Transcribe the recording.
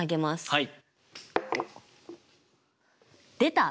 はい。